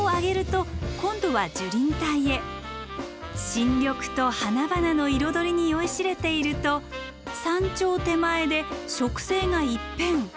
新緑と花々の彩りに酔いしれていると山頂手前で植生が一変。